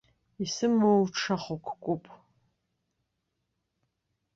Исымоу ҽа хықәкуп.